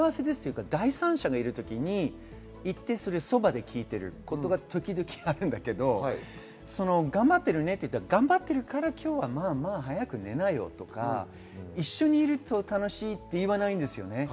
第三者がいるときにすぐそばで聞いていることが時々あるけど、頑張ってるねって言うと、頑張ってるから今日は早く寝なよとか、一緒にいると楽しいって言わないんですよね。